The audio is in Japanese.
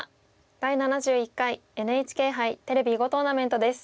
「第７１回ＮＨＫ杯テレビ囲碁トーナメント」です。